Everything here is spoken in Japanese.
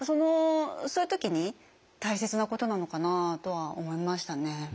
そういう時に大切なことなのかなとは思いましたね。